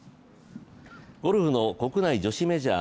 ゴルフの国内女子メジャー。